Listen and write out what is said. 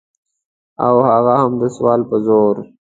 او هغه هم د سوال په زور.